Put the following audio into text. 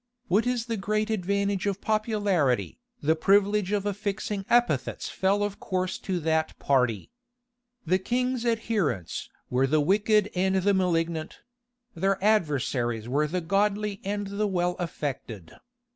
What is the great advantage of popularity, the privilege of affixing epithets fell of course to that party. The king's adherents were the wicked and the malignant: their adversaries were the godly and the well affected.